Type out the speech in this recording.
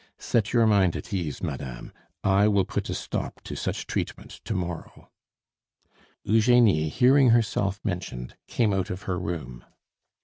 "Set your mind at ease, madame; I will put a stop to such treatment to morrow." Eugenie, hearing herself mentioned, came out of her room.